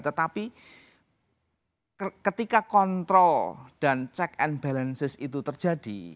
tetapi ketika kontrol dan check and balances itu terjadi